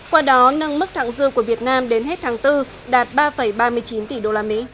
qua đó nâng mức thẳng dư của việt nam đến hết tháng bốn đạt ba ba mươi chín tỷ usd